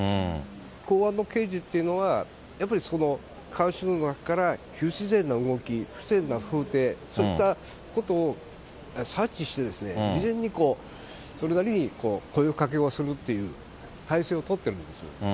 公安の刑事っていうのはやっぱり観衆の中から不自然な動き、不自然な風体、そういったことを察知して、事前にそれなりに声かけをするという態勢を取ってるんですよ。